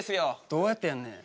どうやってやんねん。